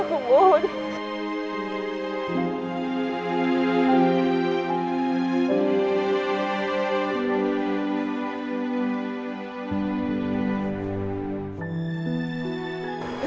aku akan selesai